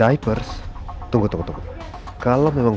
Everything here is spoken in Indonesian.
habis gue kalau ke ton